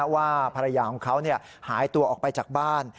ว่าภรรยาของเขาหายตัวออกไปจากบ้าน